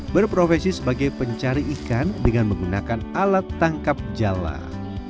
berprofesi sebagai pencari ikan dengan menggunakan alat tangkap jalan